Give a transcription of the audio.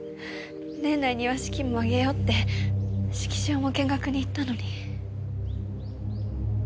年内には式も挙げようって式場も見学に行ったのに。